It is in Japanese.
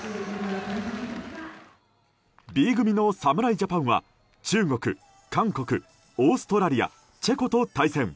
Ｂ組の侍ジャパンは中国、韓国オーストラリア、チェコと対戦。